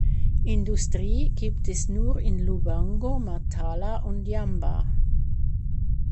Industrie gibt es nur in Lubango, Matala und Jamba.